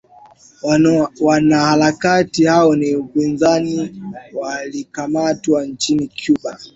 wanaharakati hao wa upinzani walikamatwa nchini cuba